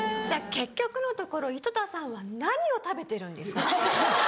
結局のところ井戸田さんは何を食べてるんですか？